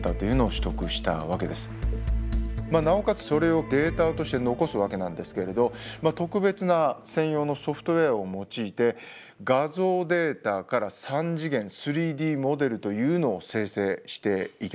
まあなおかつそれをデータとして残すわけなんですけれど特別な専用のソフトウエアを用いて画像データから３次元３Ｄモデルというのを生成していきました。